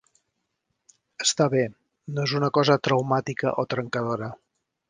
Està bé, no és una cosa traumàtica o trencadora.